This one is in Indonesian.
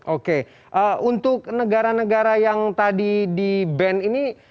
oke untuk negara negara yang tadi di ban ini